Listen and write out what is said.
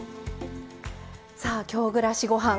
「京暮らしごはん」